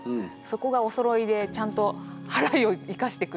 そこがおそろいでちゃんとはらいを生かしてくれてて。